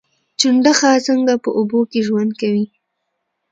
چنډخه څنګه په اوبو کې ژوند کوي؟